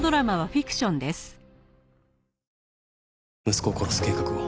息子を殺す計画を。